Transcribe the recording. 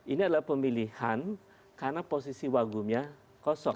ini adalah pemilihan karena posisi wagubnya kosong